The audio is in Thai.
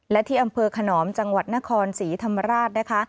และที่อำเภอขนอมจังหวัดนครศรีธรรมราชนะคะ